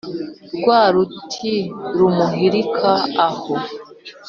rwa ruti rumuhirika aho